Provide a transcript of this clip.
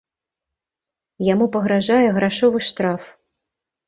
Яму пагражае грашовы штраф.